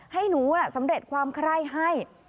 ให้หนูสำเร็จความไคร้ให้